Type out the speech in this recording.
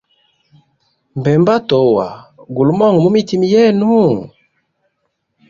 Mbemba atowa, guli monga mumitima yenu?